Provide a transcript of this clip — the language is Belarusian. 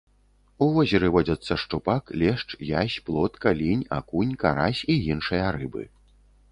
У возеры водзяцца шчупак, лешч, язь, плотка, лінь, акунь, карась і іншыя рыбы.